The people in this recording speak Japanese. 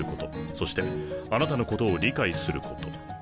そしてあなたのことを理解すること。